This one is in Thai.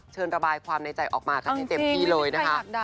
ระบายความในใจออกมากันให้เต็มที่เลยนะคะ